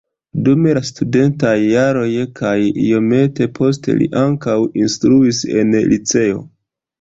Dum la studentaj jaroj kaj iomete poste li ankaŭ instruis en liceo.